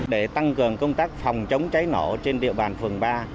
để tăng cường công tác phòng chống cháy nổ trên địa bàn phường ba